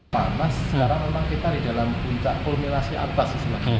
panas sekarang memang kita di dalam puncak kulmilasi atas